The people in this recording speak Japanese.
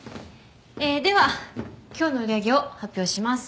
えぇでは今日の売り上げを発表します。